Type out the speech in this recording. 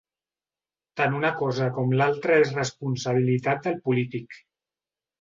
Tant una cosa com l'altre és responsabilitat del polític.